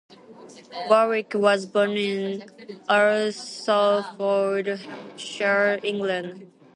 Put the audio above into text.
Warwick was born in Alresford, Hampshire, England.